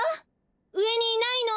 うえにいないの？